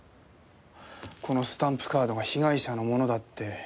このスタンプカードが被害者のものだって。